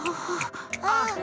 ああ。